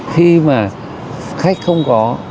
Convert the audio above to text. khi mà khách không có